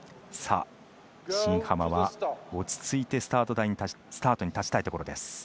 新濱は落ち着いてスタートに立ちたいところです。